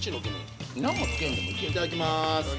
いただきます。